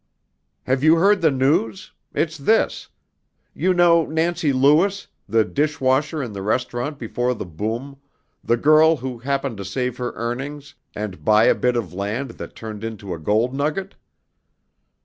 "Have you heard the news? It's this: You know Nancy Lewis, the dish washer in the restaurant before the Boom, the girl who happened to save her earnings and buy a bit of land that turned into a gold nugget?